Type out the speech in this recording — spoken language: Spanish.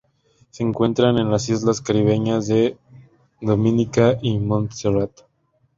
Se encuentra en las islas caribeñas de Dominica y Montserrat.